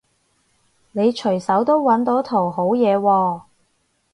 你隨手都搵到圖好嘢喎